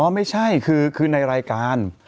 ไม่ใช่คือในรายการ